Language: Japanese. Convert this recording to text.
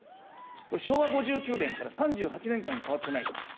これ、昭和５９年から３８年間変わってない。